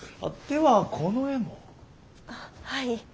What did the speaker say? あっはい。